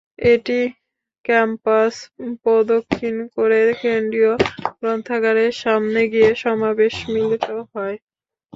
এটি ক্যাম্পাস প্রদক্ষিণ করে কেন্দ্রীয় গ্রন্থাগারের সামনে গিয়ে সমাবেশে মিলিত হয়।